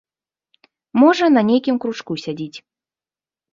Можа, на нейкім кручку сядзіць.